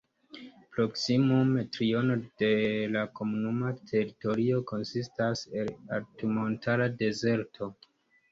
Proksimume triono de la komunuma teritorio konsistas el altmontara dezerto.